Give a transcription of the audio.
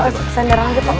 oh senderang aja pak